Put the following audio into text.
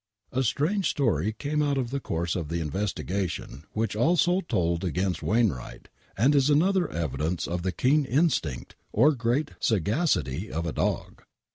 ! A strange story came out in the course of the investigation which also told against Wainwright, and is another evidence of the keen instinct,, or great sagacity of a dog.